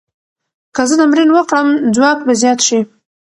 که زه تمرین وکړم، ځواک به زیات شي.